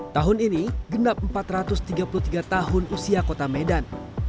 tahun ini genap empat ratus tiga puluh tiga tahun usia kota medan